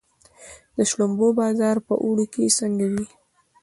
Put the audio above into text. د شړومبو بازار په اوړي کې څنګه وي؟